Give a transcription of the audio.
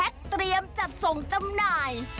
เตรียมจัดส่งจำหน่าย